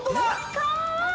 かわいい！